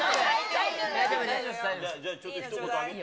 ちょっとひと言あげて。